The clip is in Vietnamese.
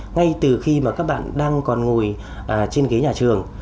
ngay từ khi mà các bạn đang còn ngồi trên ghế nhà trường